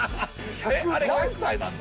何歳なんだ？